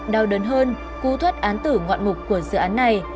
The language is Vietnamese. đau đớn hơn cú thoát án tử ngoạn mục của dự án này